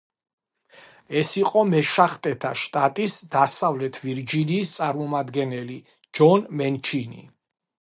ეს იყო მეშახტეთა შტატის, დასავლეთ ვირჯინიის წარმომადგენელი ჯონ მენჩინი.